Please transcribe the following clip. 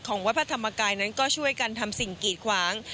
วัดพระธรรมกายนั้นก็ช่วยกันทำสิ่งกีดขวาง